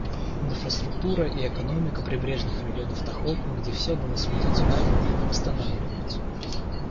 Инфраструктура и экономика прибрежных районов Тохоку, где все было смыто цунами, восстанавливаются.